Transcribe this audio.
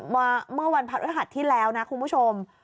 เมื่อวันพระฤหัสที่แล้วนะคุณผู้ชม